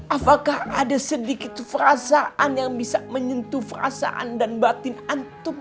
apakah ada sedikit perasaan yang bisa menyentuh perasaan dan batin antub